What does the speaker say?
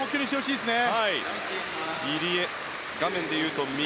いいですね。